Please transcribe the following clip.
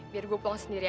biar gue pulang sendiri aja